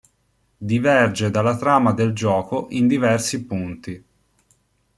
Diverge dalla trama del gioco in diversi punti.